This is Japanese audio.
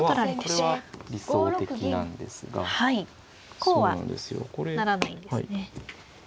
こうはならないんですね。